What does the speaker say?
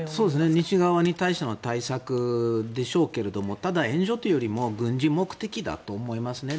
西側に対しての対策でしょうけどもただ、援助というよりも軍事目的だと思いますね。